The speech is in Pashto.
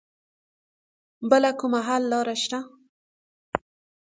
بله کومه حل لاره شته